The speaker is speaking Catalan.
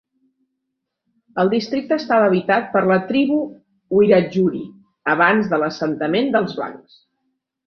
El districte estava habitat per la tribu Wiradjuri abans de l'assentament dels blancs.